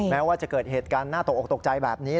แม้ว่าจะเกิดเหตุการณ์น่าตกออกตกใจแบบนี้